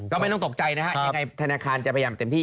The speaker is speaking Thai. ก็ไม่ต้องตกใจนะฮะยังไงธนาคารจะพยายามเต็มที่